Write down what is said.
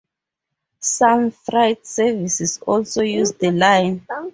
Some freight services also use the line.